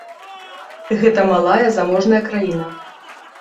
Гэта малая заможная краіна.